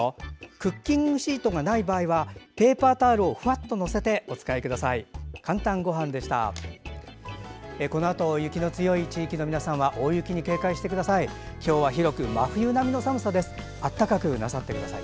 クッキングシートがない場合はペーパータオルをふわっと載せて作ってください。